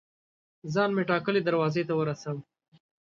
ځان مې ټاکلي دروازې ته ورساوه.